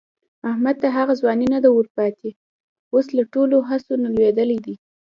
احمد ته هغه ځواني نه ده ورپاتې، اوس له ټولو هڅو نه لوېدلی دی.